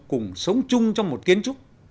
cùng sống chung trong một kiến trúc